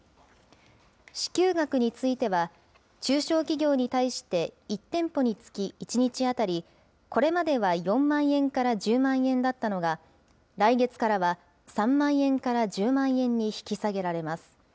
支給額については、中小企業に対して１店舗につき１日当たり、これまでは４万円から１０万円だったのが、来月からは３万円から１０万円に引き下げられます。